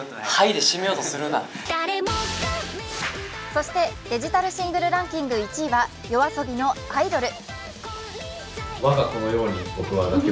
そしてデジタルシングルランキング１位はＹＯＡＳＯＢＩの「アイドル」。